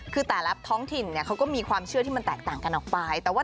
คือแต่ละท้องถิ่นเขาก็มีความเชื่อที่มันแตกต่างกันออกไป